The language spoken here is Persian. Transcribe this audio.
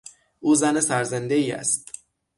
او زن سرزندهای است.